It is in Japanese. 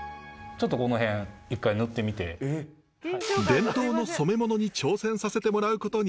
伝統の染め物に挑戦させてもらうことに。